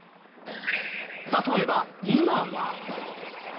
例えば今は。